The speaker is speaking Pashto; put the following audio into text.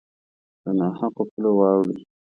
له نا حقو پولو واوړي